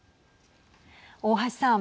大橋さん。